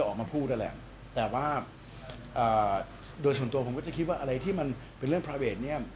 ออกมาพูดนั่นแหละแต่ว่าโดยส่วนตัวผมก็จะคิดว่าอะไรที่มันเป็นเรื่องพราเวทเนี่ย